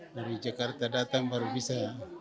dari jakarta datang baru bisa